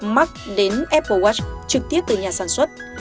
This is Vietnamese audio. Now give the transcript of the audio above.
mark đến apple watch trực tiếp từ nhà sản xuất